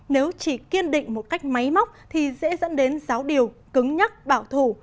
nếu chỉ kiên định một cách máy móc thì dễ dẫn đến giáo điều cứng nhắc bảo thủ